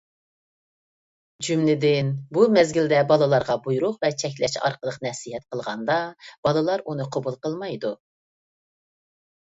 جۈملىدىن، بۇ مەزگىلدە بالىلارغا بۇيرۇق ۋە چەكلەش ئارقىلىق نەسىھەت قىلغاندا بالىلار ئۇنى قوبۇل قىلمايدۇ.